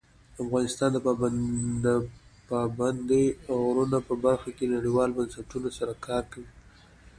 افغانستان د پابندی غرونه په برخه کې نړیوالو بنسټونو سره کار کوي.